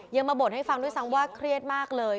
ยังมาบ่นให้ฟังด้วยซ้ำว่าเครียดมากเลย